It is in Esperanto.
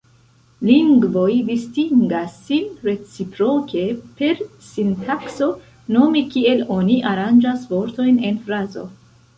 Lingvoj distingas sin reciproke per sintakso, nome kiel oni aranĝas vortojn en frazo.